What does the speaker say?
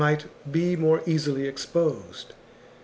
might be more easily exposed.